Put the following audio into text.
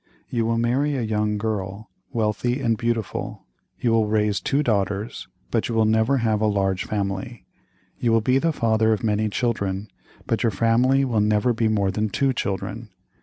You will marry a young girl, wealthy and beautiful. You will raise two daughters, but you will never have a large family. You will be the father of many children, but your family will never be more than two children.